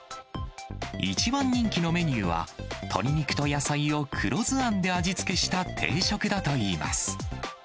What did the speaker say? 一番人気のメニューは、鶏肉と野菜を黒酢あんで味付けした定食だといいます。